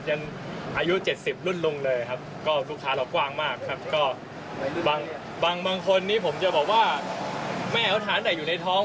ผมจะบอกว่าแม่เค้าทานไหนอยู่ในท้อง